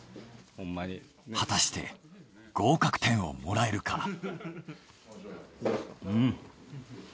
果たして合格点をもらえるか。